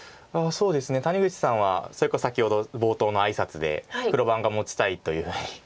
谷口さんはそれこそ先ほど冒頭の挨拶で黒番が持ちたいというふうに。